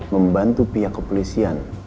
membantu pihak kepolisian